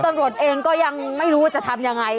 คุณตลอดเองก็ยังไม่รู้ว่าจะทำอย่างไร